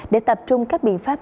để tập trung các biện pháp